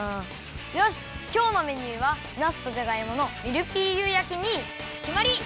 よしきょうのメニューはなすとじゃがいものミルフィーユ焼きにきまり！